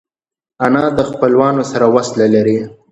انا د خپلوانو سره وصله لري